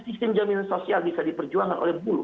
sistem jaminan sosial bisa diperjuangkan oleh buruh